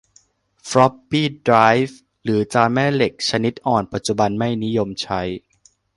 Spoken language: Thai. ฟล็อปปี้ไดรฟ์ หรือจานแม่เหล็กชนิดอ่อน ปัจจุบันไม่นิยมใช้